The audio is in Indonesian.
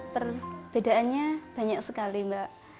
perbedaannya banyak sekali mbak